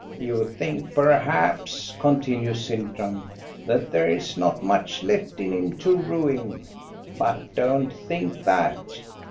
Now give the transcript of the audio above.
"You think, perhaps,*' continues Sintram, "that there is not much left in him to ruin. But don't think that